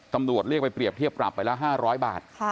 ตำรวจเรียกไปเปรียบเทียบปรับไปละ๕๐๐บาท